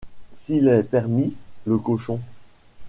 S’il est permis, le cochon !...